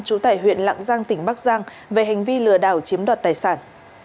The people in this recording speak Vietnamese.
chủ tải huyện lạng giang tỉnh bắc giang về hành vi lừa đảo chiếm đoạt tài sản